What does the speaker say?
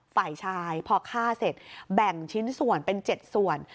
ฝ่ายชายพอฆ่าเสร็จแบ่งชิ้นส่วนเป็น๗ส่วน